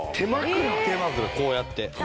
こうやって。